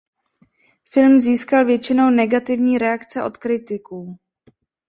Film získal většinou negativní reakce od kritiků.